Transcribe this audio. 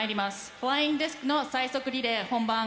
フライングディスクの最速リレー、本番。